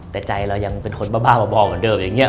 แต่ใจเรายังเป็นคนบ้าเหมือนเดิมอย่างนี้